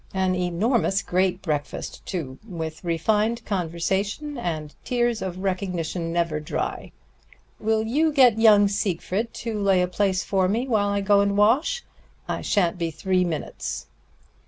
"An enormous great breakfast, too with refined conversation and tears of recognition never dry. Will you get young Siegfried to lay a place for me while I go and wash? I sha'n't be three minutes."